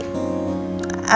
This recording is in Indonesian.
habis masalah nyuruhnya